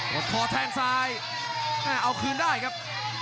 ดคอแทงซ้ายเอาคืนได้ครับ